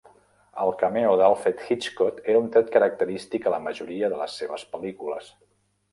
El cameo d'Alfred Hitchcock era un tret característic a la majoria de les seves pel·lícules.